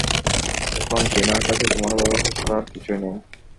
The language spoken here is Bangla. এখন টিনার কাছে তোমার ভালবাসা ছাড়া, আর কিছুই নেই।